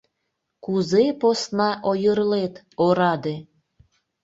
Кузе посна ойырлет, ораде!»